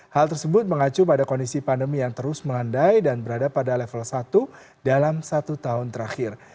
hal tersebut mengacu pada kondisi pandemi yang terus melandai dan berada pada level satu dalam satu tahun terakhir